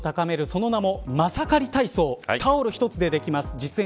その名も、まさかり体操タオル一つでできます。